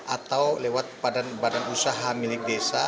atau lewat badan usaha milik desa